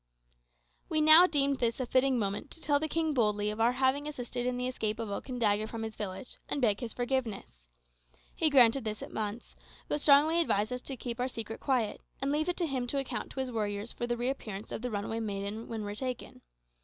We now deemed this a fitting moment to tell the king boldly of our having assisted in the escape of Okandaga from his village, and beg his forgiveness. He granted this at once, but strongly advised us to keep our secret quiet, and leave it to him to account to his warriors for the reappearance of the runaway maiden when retaken.